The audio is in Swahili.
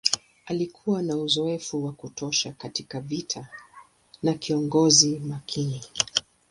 Alikuwa na uzoefu wa kutosha katika vita na kiongozi makini.